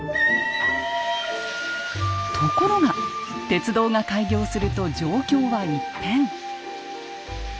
ところが鉄道が開業すると状況は一変。